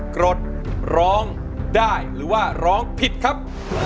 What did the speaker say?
กรดร้องได้หรือว่าร้องผิดครับ